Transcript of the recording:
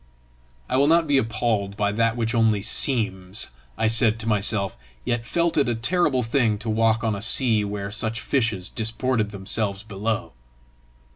"I will not be appalled by that which only seems!" I said to myself, yet felt it a terrible thing to walk on a sea where such fishes disported themselves below.